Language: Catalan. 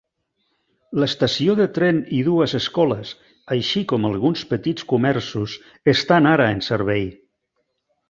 L'estació de tren i dues escoles, així com alguns petits comerços, estan ara en servei.